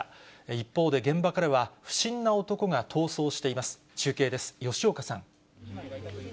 一方で現場からは、不審な男が逃走しています。